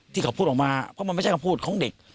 ที่เขาพูดออกมาเพราะมันไม่ใช่คำพูดของเด็ก